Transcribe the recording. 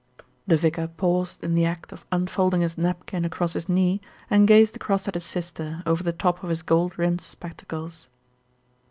/"\ The vicar paused in the act of unfolding his napkin across his knee, and gazed across at his sister over the top of his gold rimmed spectacles.